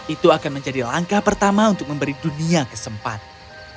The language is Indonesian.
itu akan menjadi langkah pertama untuk memberi dunia kesempatan